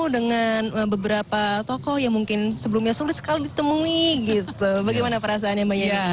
dengan beberapa tokoh yang mungkin sebelumnya sulit sekali ditemui gitu bagaimana perasaannya mbak yeni